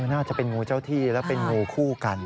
น่าจะเป็นงูเจ้าที่แล้วเป็นงูคู่กัน